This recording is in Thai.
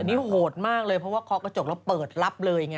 นี่โหดมากเลยเพราะว่าเคาะกระจกแล้วเปิดรับเลยไง